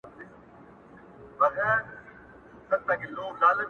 o نجلۍ ګلسوم له درد سره مخ,